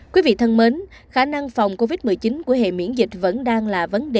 quý vị thân mến khả năng phòng covid một mươi chín của hệ miễn dịch vẫn đang là vấn đề